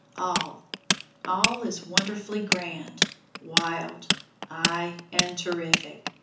All all is wonderfully grand, wild aye, and terrific.